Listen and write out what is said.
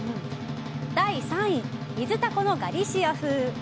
第３位、水タコのガリシア風。